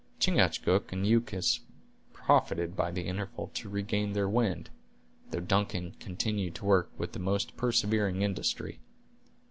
Chingachgook and Uncas profited by the interval to regain their wind, though Duncan continued to work with the most persevering industry.